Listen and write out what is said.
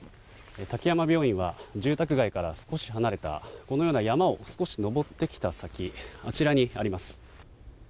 滝山病院は住宅街から少し離れたこのような山を少し登ってきた先あちらにあります。